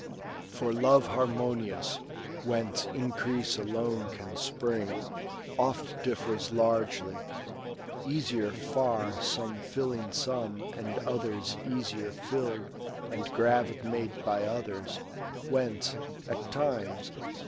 For love harmonious, whence increase alone Can spring, oft differs largely ; easier far Some filling some, and others easier fill'd And gravid made by others ; whence, at times.